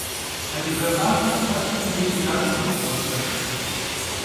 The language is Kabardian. Adıge khafer lhepkhım yêy yaş' a pkhığuexem.